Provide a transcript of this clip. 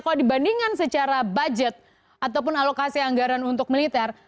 kalau dibandingkan secara budget ataupun alokasi anggaran untuk militer